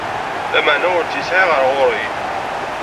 Lmeɛna ur tt-yesɛi ɣer ɣur-i.